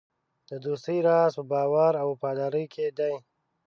د دوستۍ راز په باور او وفادارۍ کې دی.